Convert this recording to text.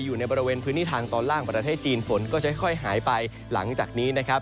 อยู่ในบริเวณพื้นที่ทางตอนล่างประเทศจีนฝนก็จะค่อยหายไปหลังจากนี้นะครับ